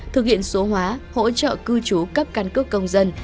thực hiện số hóa hỗ trợ cư trú cấp căn cước công dân